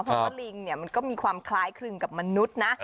เพราะว่าลิงเนี่ยมันก็มีความคล้ายคลึงกับมนุษย์นะ